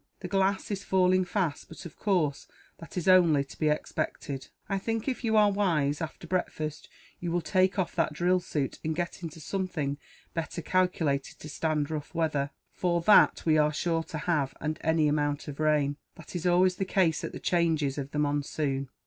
The glass is falling fast but, of course, that is only to be expected. I think, if you are wise, after breakfast you will take off that drill suit, and get into something better calculated to stand rough weather; for that we are sure to have, and any amount of rain. That is always the case, at the changes of the monsoon.